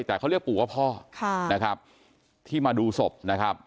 แต่เขาเรียกปู่ว่าพ่อนะครับที่มาดูศพนะครับ